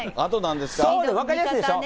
分かりやすいでしょ。